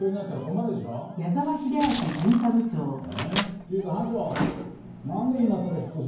っていうか班長なんで今さら引っ越しですか？